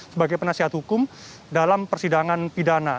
sebagai penasihat hukum dalam persidangan pidana